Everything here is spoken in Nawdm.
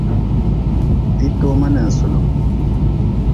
Diitoma ninsulm.